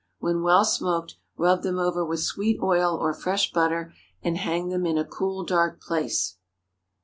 When well smoked, rub them over with sweet oil or fresh butter, and hang them in a cool, dark place.